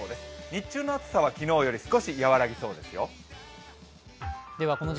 日中の暑さは昨日より少し和らぎそうですよ。